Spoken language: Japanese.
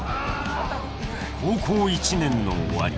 ［高校１年の終わり］